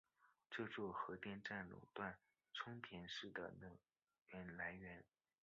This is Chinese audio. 这座核电站垄断春田市的能源来源。